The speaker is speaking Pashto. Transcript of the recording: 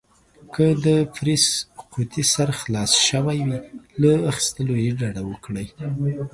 که د پرېس قوطي سر خلاص شوی وي، له اخيستلو يې ډډه وکړئ.